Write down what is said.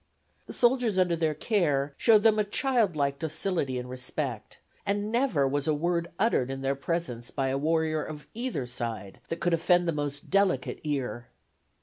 The soldiers under their care showed them a child like docility and respect, and never was a word uttered in their presence by a warrior of either side that could offend the most delicate ear.